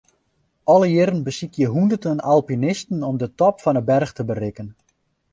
Alle jierren besykje hûnderten alpinisten om de top fan 'e berch te berikken.